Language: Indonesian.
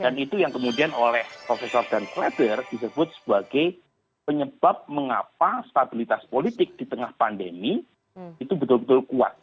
dan itu yang kemudian oleh profesor dan kleber disebut sebagai penyebab mengapa stabilitas politik di tengah pandemi itu betul betul kuat